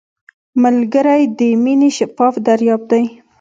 ملګری د مینې شفاف دریاب دی